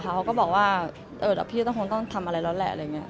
พี่เศษตอบว่าเอ๊ยพี่ต้องทำได้แล้วแหละ